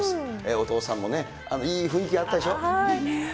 お父さんもね、いい雰囲気あったでしょ？